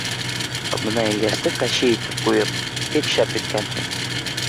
Ә бына Ильясты Кащей итеп ҡуйып — бик шәп иткәнһең!